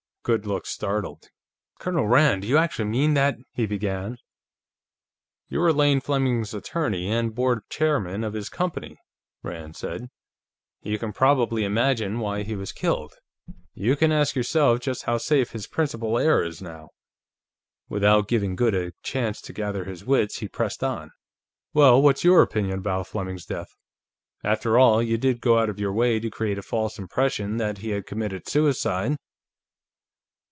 Goode looked startled. "Colonel Rand! Do you actually mean that...?" he began. "You were Lane Fleming's attorney, and board chairman of his company," Rand said. "You can probably imagine why he was killed. You can ask yourself just how safe his principal heir is now." Without giving Goode a chance to gather his wits, he pressed on: "Well, what's your opinion about Fleming's death? After all, you did go out of your way to create a false impression that he had committed suicide."